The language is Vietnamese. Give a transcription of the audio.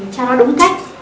cho nó đúng cách